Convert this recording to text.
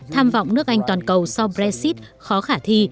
tham vọng nước anh toàn cầu sau brexit khó khăn